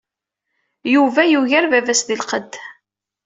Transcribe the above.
Yuba yugar baba-s di lqedd.